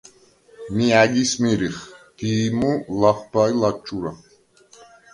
მი ა̈გის მირიხ: დი̄ჲმუ, ლახვბა ი ლადჩურა.